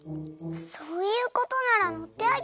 そういうことならのってあげないと。